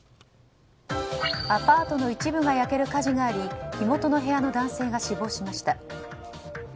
アパートの一部が焼ける火事があり火元の部屋の男性が死亡しました。